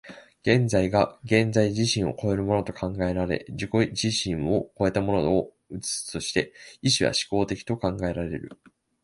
現在が現在自身を越えると考えられ、自己自身を越えたものを映すとして、意識は志向的と考えられる。